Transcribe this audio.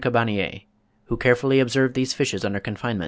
Carbonnier, who carefully observed these fishes under confinement.